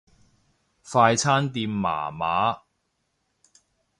快餐店麻麻